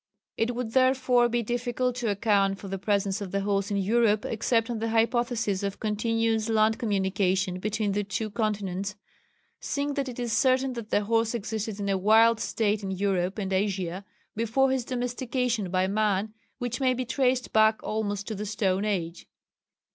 It would therefore be difficult to account for the presence of the horse in Europe except on the hypothesis of continuous land communication between the two continents, seeing that it is certain that the horse existed in a wild state in Europe and Asia before his domestication by man, which may be traced back almost to the stone age.